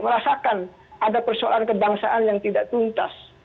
merasakan ada persoalan kebangsaan yang tidak tuntas